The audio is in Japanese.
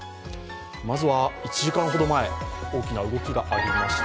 まずは１時間ほど前、大きな動きがありました。